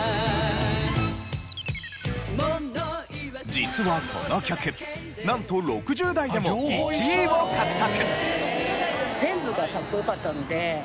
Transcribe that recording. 実はこの曲なんと６０代でも１位を獲得。